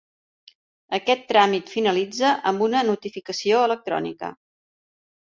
Aquest tràmit finalitza amb una notificació electrònica.